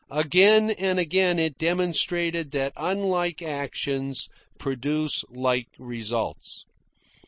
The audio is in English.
Again and again it demonstrated that unlike actions produce like results.